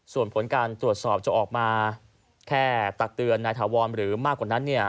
ส่วนผลการตรวจสอบจะออกมาแค่ตักเตือนนายถาวรหรือมากกว่านั้นเนี่ย